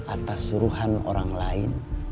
atas suruhan orang lain